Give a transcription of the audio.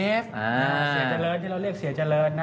เสียเจริญที่เราเรียกเสียเจริญนะ